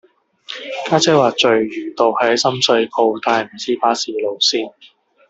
家姐話聚魚道係喺深水埗但係唔知巴士路線